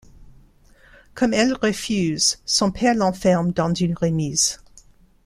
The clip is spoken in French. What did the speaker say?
Comme elle refuse, son père l'enferme dans une remise.